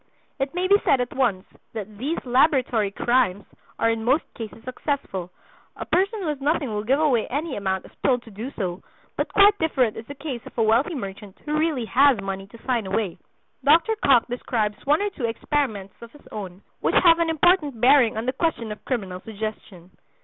It may be said at once that "these laboratory crimes" are in most cases successful: A person who has nothing will give away any amount if told to do so; but quite different is the case of a wealthy merchant who really has money to sign away. Dr. Cocke describes one or two experiments of his own which have an important bearing on the question of criminal suggestion.